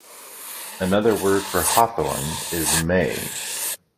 Another word for for hawthorn is may.